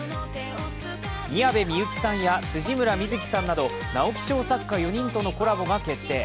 宮部みゆきさんや辻村深月さんなど直木賞作家４人とのコラボが決定。